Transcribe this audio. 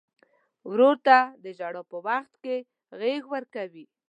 ورور ته د ژړا پر وخت غېږ ورکوي.